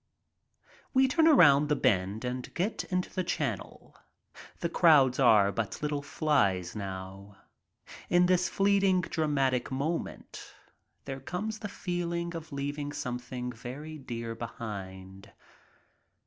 We turn around the bend and get into the channel. The crowds are but little flies now. In this fleeting dramatic moment there comes the feeling of leaving something very dear behind.